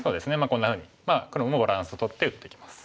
こんなふうに黒もバランスをとって打ってきます。